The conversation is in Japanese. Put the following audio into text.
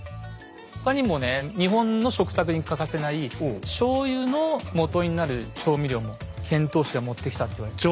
他にもね日本の食卓に欠かせないしょうゆのもとになる調味料も遣唐使が持ってきたと言われてますね。